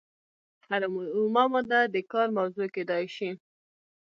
هره اومه ماده د کار موضوع کیدای شي.